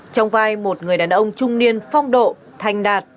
trong vai một người đàn ông trung niên phong độ thành đạt